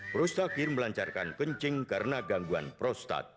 prostakir melancarkan kencing karena gangguan prostat